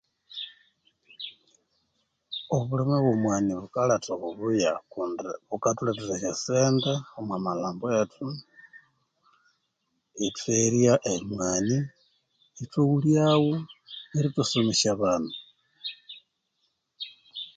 Obulime bwo omwani bukaletha obubuya kundi bukathulethera esya sente omwa malhambo ethu, ithwerya omwani, ithwaghulyagho, neryo ithwasomesya abana.